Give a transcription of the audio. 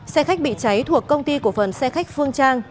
xe khách bị cháy thuộc công ty cổ phần xe khách phương trang